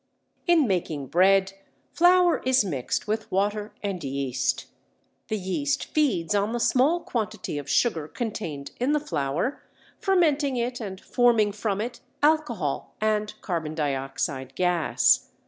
In making bread flour is mixed with water and yeast. The yeast feeds on the small quantity of sugar contained in the flour, fermenting it and forming from it alcohol and carbon dioxide gas.